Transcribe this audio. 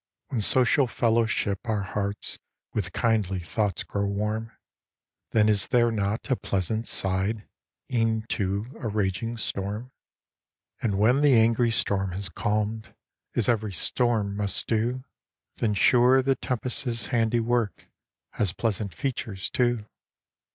In social fellowship, our hearts With kindly thoughts grow warm; Then is there not a pleasant side, E'en to a raging storm? And when the angry storm has calm'd, As ev'ry storm must do, Then, sure, the tempest's handiwork, Has pleasant features, too.